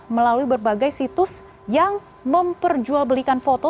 melalui berbagai situs yang memperjualbelikan foto